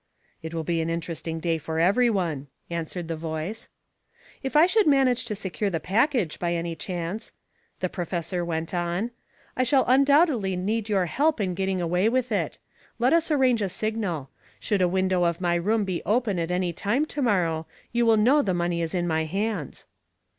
"It will be an interesting day for every one," answered the voice. "If I should manage to secure the package, by any chance," the professor went on, "I shall undoubtedly need your help in getting away with it. Let us arrange a signal. Should a window of my room be open at any time to morrow, you will know the money is in my hands."